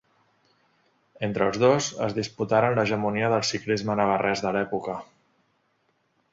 Entre els dos es disputaren l'hegemonia del ciclisme navarrès de l'època.